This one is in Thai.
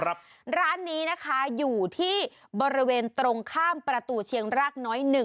ร้านนี้นะคะอยู่ที่บริเวณตรงข้ามประตูเชียงรากน้อย๑